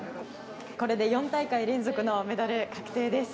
これで４大会連続のメダル確定です。